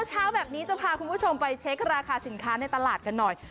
เช้าแบบนี้จะพาคุณผู้ชมไปเช็คราคาสินค้าในตลาดกันหน่อย